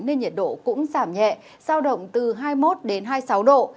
nên nhiệt độ cũng giảm nhẹ giao động từ hai mươi một đến hai mươi sáu độ